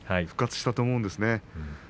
復活したと思うんです。